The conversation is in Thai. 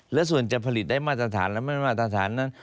และส่วนจะผลิตได้มาตรฐานและไม่มาตรฐานนั้น